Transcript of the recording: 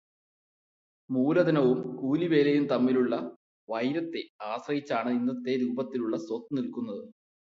മൂലധനവും കൂലിവേലയും തമ്മിലുള്ള വൈരത്തെ ആശ്രയിച്ചാണ് ഇന്നത്തെ രൂപത്തിലുള്ള സ്വത്ത് നിൽക്കുന്നത്